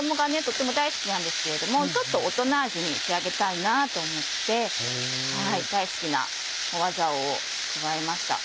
とっても大好きなんですけれどもちょっと大人味に仕上げたいなと思って大好きな花椒を加えました。